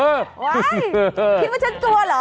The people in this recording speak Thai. คิดว่าฉันกลัวเหรอ